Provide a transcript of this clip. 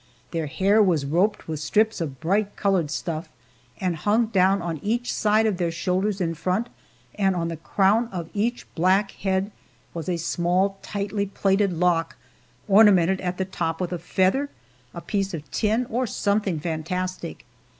Their hair was roped with strips of bright colored stuff, and hung down on each side of their shoulders in front, and on the crown of each black head was a small, tightly plaited lock, ornamented at the top with a feather, a piece of tin, or something fantastic.